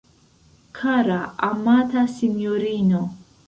Kara, amata sinjorino!